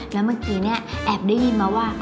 แล้วเมื่อกี้เนี่ยแอบได้ยินมาว่า